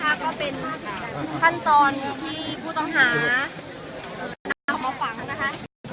ค่ะนะคะก็เป็นท่านตอนที่ผู้ต้องหาออกมาฝั่งค่ะ